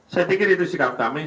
saya pikir itu sikap kami